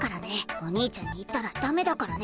お兄ちゃんに言ったらダメだからね。